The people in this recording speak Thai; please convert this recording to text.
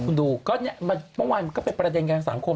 คุณดูเมื่อวานมันก็เป็นประเด็นการสังคม